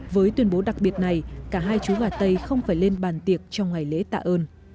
với tuyên bố đặc biệt này cả hai chú gà tây không phải lên bàn tiệc trong ngày lễ tạ ơn